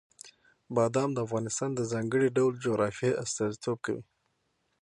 بادام د افغانستان د ځانګړي ډول جغرافیې استازیتوب کوي.